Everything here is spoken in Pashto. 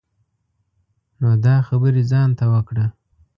نو دا خبری ځان ته وکړه.